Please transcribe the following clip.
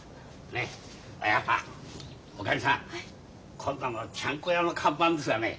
親方おかみさん今度のちゃんこ屋の看板ですがね